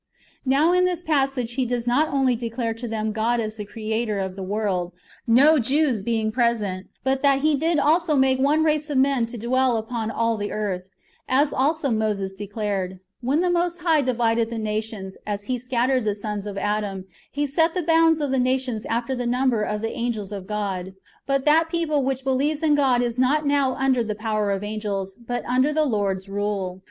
^ Now in this passage he does not only declare to them God as the Creator of the world, no Jews being present, but that He did also make one race of men to dwell upon all the earth ; as also Moses declared :" When the Most High divided the nations, as He scattered the sons of Adam, He set the bounds of the nations after the number of the angels of God ;"^ but that people which believes in God is not now under the power of angels, but under the Lord's [rule].